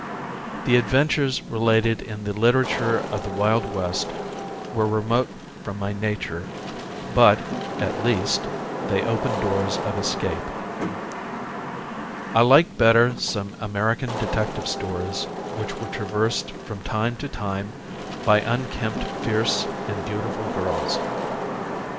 The adventures related in the literature of the Wild West were remote from my nature but, at least, they opened doors of escape. I liked better some American detective stories which were traversed from time to time by unkempt fierce and beautiful girls.